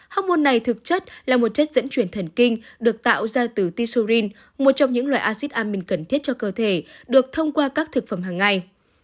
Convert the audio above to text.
hóc môn này thực chất là một chất dẫn chuyển thần kinh được tạo ra từ tisurin một trong những loại acid amin cần thiết cho cơ thể được thông qua các thực phẩm hàng ngày